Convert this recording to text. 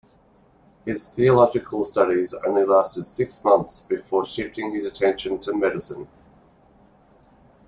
His theological studies only lasted six months before shifting his attention to medicine.